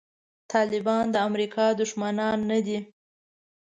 طالبان د امریکا دښمنان نه دي.